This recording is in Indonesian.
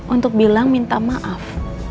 untuk bilang minta maaf